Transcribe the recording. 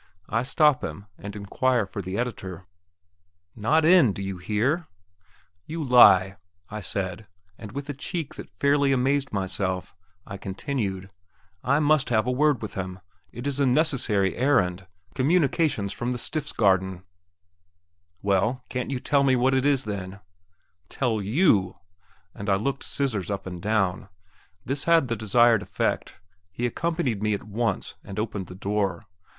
I stop him, and inquire for the editor. "Not in, do you hear." "You lie," I said, and, with a cheek that fairly amazed myself, I continued, "I must have a word with him; it is a necessary errand communications from the Stiftsgaarden. [Footnote: Dwelling of the civil governor of a Stift or diocese.] "Well, can't you tell me what it is, then?" "Tell you?" and I looked "Scissors" up and down. This had the desired effect. He accompanied me at once, and opened the door.